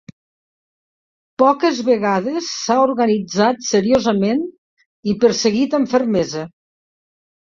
Poques vegades s'ha organitzat seriosament i perseguit amb fermesa.